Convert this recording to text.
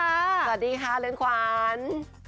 สวัสดีค่ะเรือนขวัญ